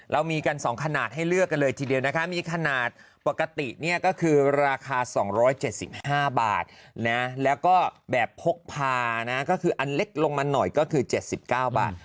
เรามีกัน๒ขนาดให้เลือกกันเลยทีเดียวนะคะมีขนาดปกติเนี่ยก็คือราคา๒๗๕บาทนะแล้วก็แบบพกพานะก็คืออันเล็กลงมาหน่อยก็คือ๗๙บาท